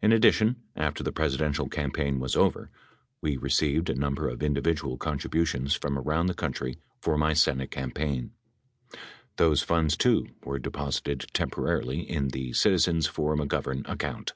In addition, after the Presidential campaign was over, we received a number of individual contributions from around the country for my Senate campaign. Those funds, too, were deposited temporarily in the Citizens for McGovern account.